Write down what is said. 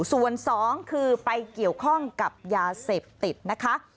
ส่วนสองคือไปเกี่ยวข้องกับยาเสพติดนะคะ